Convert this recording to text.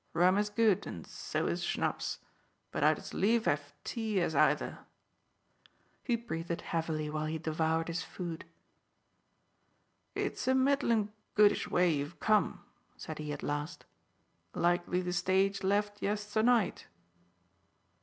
Rum is good, and so is schnapps, but I'd as lief have tea as either." He breathed heavily while he devoured his food. "It's a middlin' goodish way you've come," said he at last. "Likely the stage left yesternight."